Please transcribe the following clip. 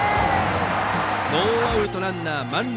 ノーアウトランナー、満塁。